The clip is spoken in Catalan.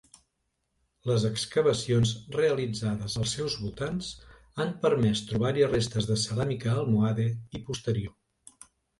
Les excavacions realitzades als seus voltants han permès trobar-hi restes de ceràmica almohade i posterior.